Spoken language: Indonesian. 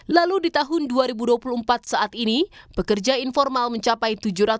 lalu di tahun dua ribu dua puluh empat saat ini pekerja informal mencapai tujuh ratus sembilan puluh